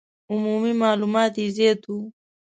عمومي معلومات یې زیات وو.